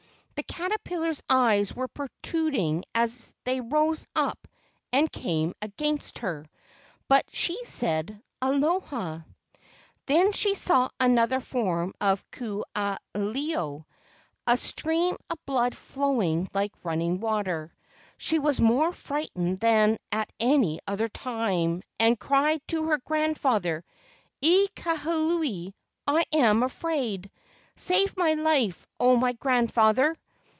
The caterpillars' eyes were protrud¬ ing as they rose up and came against her, but she said, "Aloha." Then she saw another form of Ku aha ilo—a stream of blood flowing like running water. She was more frightened than at any other time, and cried to her grandfather: "E Kahuli, I am afraid! Save my life, O my grandfather!"